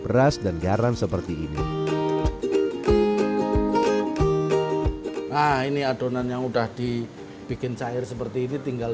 beras dan garam seperti ini nah ini adonan yang udah dibikin cair seperti ini tinggal